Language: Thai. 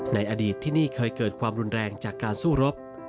ในอดีตที่นี่เคยเกิดความรุนแรงจากการสู้รบ